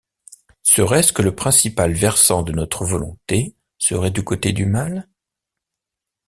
Serait-ce que le principal versant de notre volonté serait du côté du mal?